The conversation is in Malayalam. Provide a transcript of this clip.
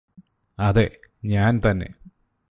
അതെ ഞാന് തന്നെ